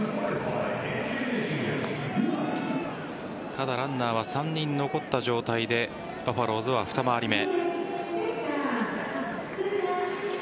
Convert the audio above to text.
ただ、ランナーは３人残った状態でバファローズは２回り目。